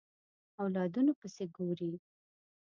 اولادونو پسې ګوري